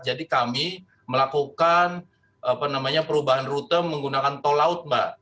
jadi kami melakukan perubahan rute menggunakan tol laut mbak